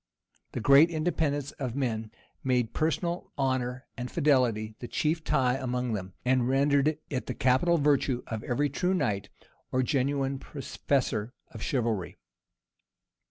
The great independence of men made personal honor and fidelity the chief tie among them, and rendered it the capital virtue of every true knight, or genuine professor of chivalry.